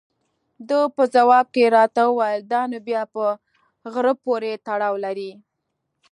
ده په ځواب کې راته وویل: دا نو بیا په غره پورې تړاو لري.